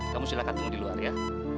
kamu silahkan tunggu di luar ya